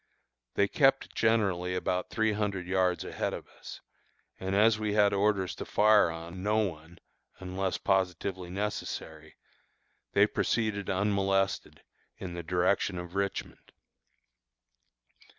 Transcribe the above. They kept generally about three hundred yards ahead of us, and as we had orders to fire on no one unless positively necessary, they proceeded unmolested, in the direction of Richmond.